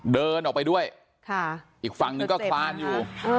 เดินออกไปด้วยอีกฝั่งหนึ่งก็คลานอยู่